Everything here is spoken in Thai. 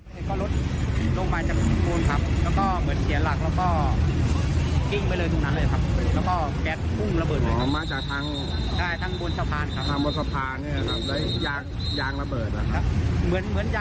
เห็นรถกวิ่งกิ้งแล้วก็ผมกวิ่งออกมาจะช่วยคนขับนั่นแหละ